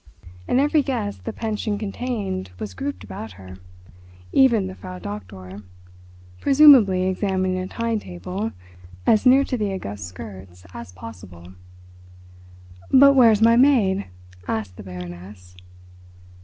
And every guest the pension contained was grouped about her, even the Frau Doktor, presumably examining a timetable, as near to the august skirts as possible. "But where is my maid?" asked the Baroness.